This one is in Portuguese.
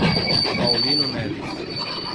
Paulino Neves